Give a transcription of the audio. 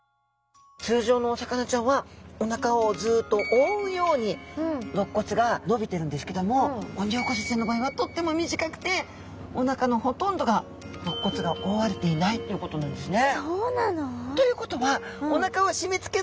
通常のお魚ちゃんはお腹をずっと覆うように肋骨が伸びてるんですけどもオニオコゼちゃんの場合はとっても短くてお腹のほとんどが肋骨が覆われていないっていうことなんですね。